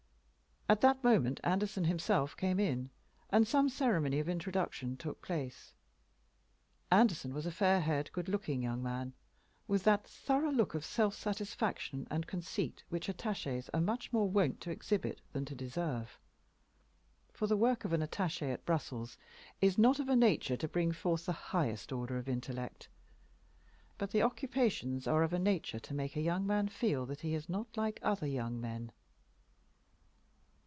At that moment Anderson himself came in, and some ceremony of introduction took place. Anderson was a fair haired, good looking young man, with that thorough look of self satisfaction and conceit which attachés are much more wont to exhibit than to deserve. For the work of an attaché at Brussels is not of a nature to bring forth the highest order of intellect; but the occupations are of a nature to make a young man feel that he is not like other young men.